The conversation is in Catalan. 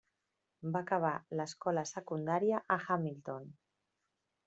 Va acabar l'escola secundària a Hamilton.